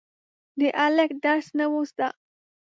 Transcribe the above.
د هلک درس نه و زده.